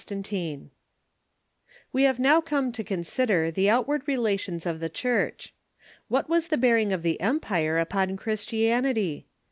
] We now come to consider the outward relations of the Church. What Avas the bearing of the empire upon Christian ity